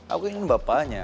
aku ingin bapaknya